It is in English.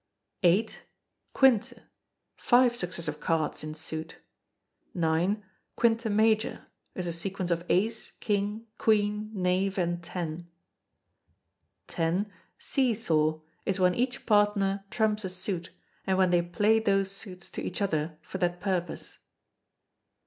viii. Quinte, five successive cards in suit. ix. Quinte Major, is a sequence of ace, king, queen, knave, and ten. x. See saw, is when each partner trumps a suit, and when they play those suits to each other for that purpose.